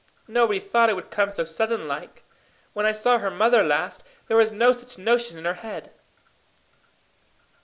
Nobody thought it would come so sudden like. When I saw her mother last, there was no such notion in her head."